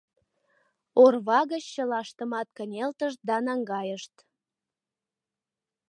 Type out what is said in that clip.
Орва гыч чылаштымат кынелтышт да наҥгайышт.